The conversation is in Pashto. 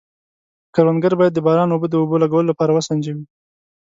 کروندګر باید د باران اوبه د اوبو لګولو لپاره وسنجوي.